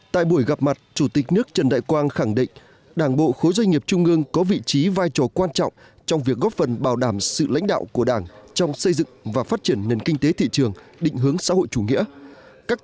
tại buổi gặp mặt chủ tịch nước trần đại quang khẳng định đảng bộ khối doanh nghiệp trung ương có vị trí vai trò quan trọng trong việc góp phần bảo đảm sự lãnh đạo của đảng trong xây dựng và phát triển nền kinh tế thị trường định hướng xã hội chủ nghĩa